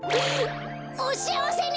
おしあわせに！